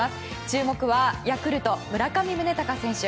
注目は、ヤクルト村上宗隆選手。